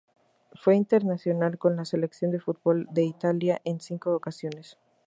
Fue internacional con la selección de fútbol de Italia en cinco ocasiones.